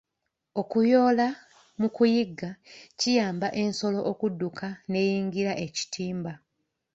Okuyoola mu kuyigga kiyamba ensolo okudduka n’eyingira ekitimba.